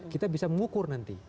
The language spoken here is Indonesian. kita bisa mengukur nanti